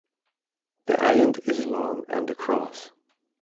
The island is long and across.